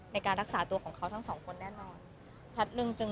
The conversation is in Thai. ในการรักษาตัวของเขาทั้งสองคนแน่นอน